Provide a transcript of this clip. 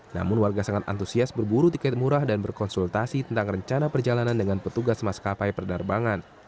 namun warga sangat antusias berburu tiket murah dan berkonsultasi tentang rencana perjalanan dengan petugas maskapai penerbangan